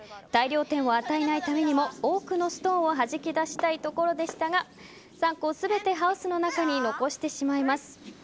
大量点を与えないためにも多くのストーンをはじき出したいところでしたが３個全てハウスの中に残してしまいます。